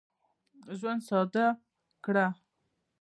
ژوند ساده کړه.